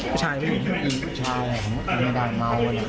ผู้ชายไม่ได้เมาท์